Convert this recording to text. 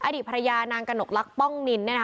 อดีตภรรยานางกระหนกลักษ้องนิน